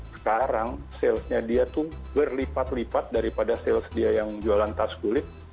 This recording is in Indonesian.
sekarang salesnya dia tuh berlipat lipat daripada sales dia yang jualan tas kulit